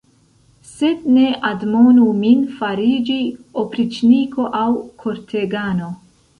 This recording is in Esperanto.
Sed ne admonu min fariĝi opriĉniko aŭ kortegano.